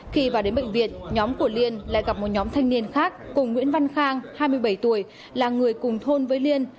khi vào đến bệnh viện nhóm của liên lại gặp một nhóm thanh niên khác cùng nguyễn văn khang hai mươi bảy tuổi là người cùng thôn với liên